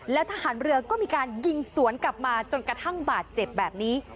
แล้วทหารเรือก็มีการยิงสวนกลับมาจนกระทั่งบาดเจ็บแบบนี้